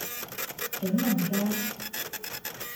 景隆街